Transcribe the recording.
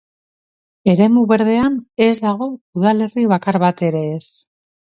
Eremu berdean ez dago udalerri bakar bat ere ez.